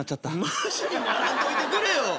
マジにならんといてくれよ。